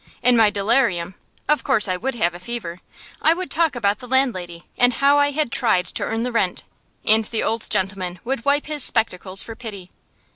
In my delirium of course I would have a fever I would talk about the landlady, and how I had tried to earn the rent; and the old gentleman would wipe his spectacles for pity.